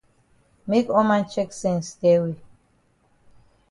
Make all man chek sense tell we.